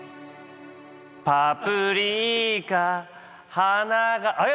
パプリカ花があれ？